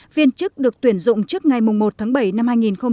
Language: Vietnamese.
viên chức được tuyển dụng trước ngày một tháng bảy năm hai nghìn hai mươi